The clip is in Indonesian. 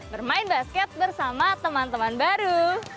bermain basket bersama teman teman baru